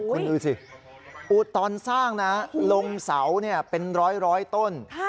คุณดูสิตอนสร้างนะลงเสาเป็นร้อยต้น